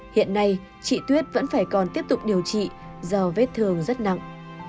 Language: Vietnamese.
hiện nay chị tuyết vẫn phải còn tiếp tục điều trị do vết thương rất nặng